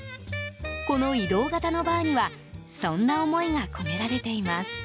この移動型のバーにはそんな思いが込められています。